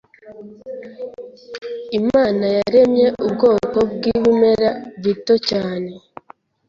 Imana yaremye ubwoko bw’ibimera bito cyane